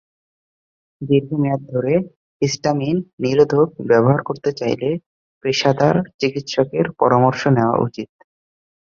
দীর্ঘ মেয়াদ ধরে হিস্টামিন নিরোধক ব্যবহার করতে চাইলে পেশাদার চিকিৎসকের পরামর্শ নেওয়া উচিত।